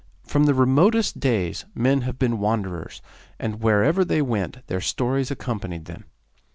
From the remotest days men have been wanderers, and wherever they went their stories accompanied them.